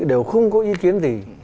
đều không có ý kiến gì